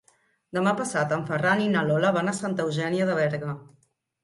Demà passat en Ferran i na Lola van a Santa Eugènia de Berga.